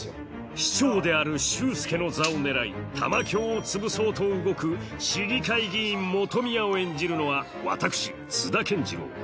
市長である修介の座を狙い玉響をつぶそうと動く市議会議員本宮を演じるのは私津田健次郎